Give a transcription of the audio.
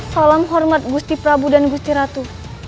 salam hormat gusti prabu dan gusti ratu